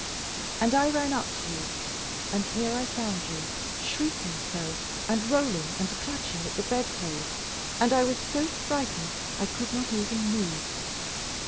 And I ran up to you, and here I found you shrieking so, and rolling, and clutching at the bedclothes, and I was so frightened I could not even move.